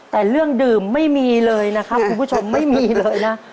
แต่เรื่องดื่มไม่มีเลยนะครับคุณผู้ชมไม่มีเลยนะ